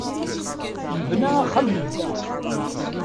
Yebna axxam n bda.